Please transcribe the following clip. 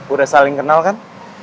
udah saling kenal kan